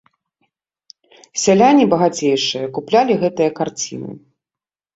Сяляне, багацейшыя, куплялі гэтыя карціны.